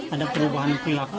ada perubahan pihaknya